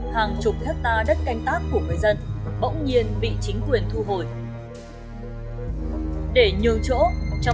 hàng chục hecta đất canh tác của người dân bỗng nhiên bị chính quyền thu hồi để nhường chỗ trong